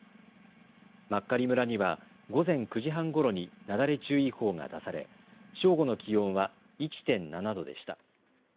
真狩村には午前９時半ごろになだれ注意報が出され正午の気温は１．７度でした。